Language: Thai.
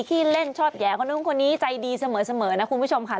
ขี้เล่นชอบแห่คนนู้นคนนี้ใจดีเสมอนะคุณผู้ชมค่ะ